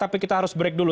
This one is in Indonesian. tapi kita harus break dulu